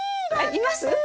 います？